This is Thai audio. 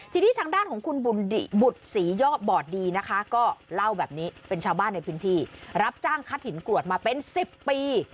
ทีนี้ทางด้านของคุณบุตรศรียอดบอดดีนะคะก็เล่าแบบนี้เป็นชาวบ้านในพื้นที่รับจ้างคัดหินกรวดมาเป็น๑๐ปี